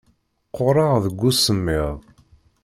Qquṛeɣ deg usemmiḍ.